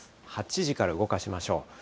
８時から動かしましょう。